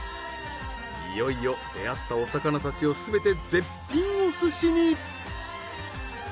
いよいよ出会ったお魚たちをすべて絶品お寿司に。